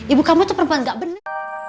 ibu kamu tuh perempuan ga bener